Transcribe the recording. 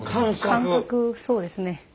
感覚そうですね。